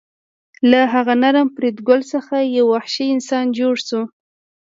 له هغه نرم فریدګل څخه یو وحشي انسان جوړ شو